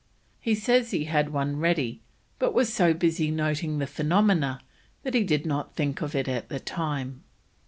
He says he had one ready, but was so busy noting the phenomena that he did not think of it in time.